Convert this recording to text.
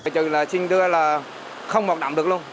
trừ là sinh đưa là không mọc đậm được luôn